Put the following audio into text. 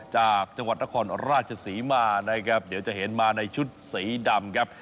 จากจังหวัดนครราชศรีมานะครับเดี๋ยวจะเห็นมาในชุดสีดำครับ